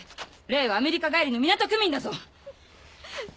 麗はアメリカ帰りの港区民だぞ。